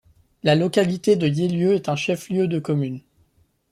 La localité de Yelleu est un chef-lieu de commune.